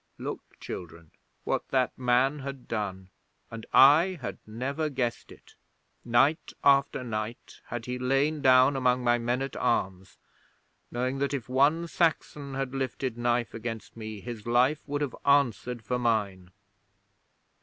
'Look, children, what that man had done and I had never guessed it! Night after night had he lain down among my men at arms, knowing that if one Saxon had lifted knife against me, his life would have answered for mine.